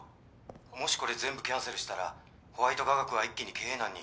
もしこれ全部キャンセルしたらホワイト化学は一気に経営難に。